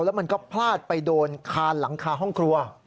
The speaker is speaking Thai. แล้วมันก็พลาดไปโดนคานหลังคาห้องครัว